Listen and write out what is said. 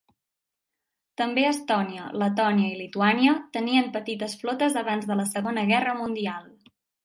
També Estònia, Letònia i Lituània tenien petites flotes abans de la Segona Guerra Mundial.